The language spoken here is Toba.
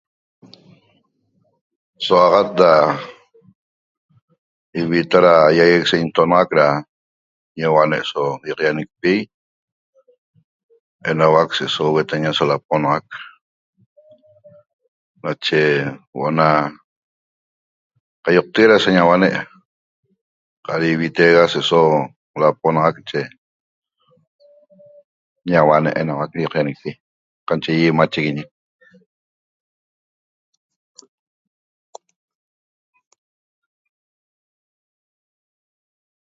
Souaxat da ivita da ýaguec so ñitonaxac da ñauane' so ýaqaýañicp enauac se'eso huetaña so laponaxac nache huo'o na qaioqtegue da sa ñauane' qaq iviteega se'eso laponaxac nache ñauane' enauac na ýaqaýañicpi machiguiñi